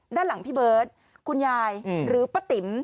ด้านหลังบัฏคุณยายหรือป๊าติ๋ม